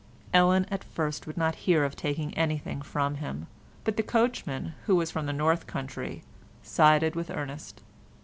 Ellen at first would not hear of taking anything from him, but the coachman, who was from the north country, sided with Ernest.